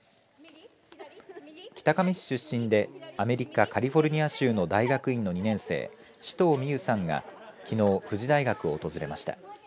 北上市出身でアメリカ、カリフォルニア州の大学院の２年生司東実優さんがきのう富士大学を訪れました。